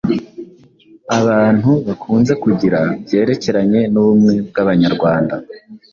abantu bakunze kugira byerekeranye n'ubumwe bw'Abanyarwanda.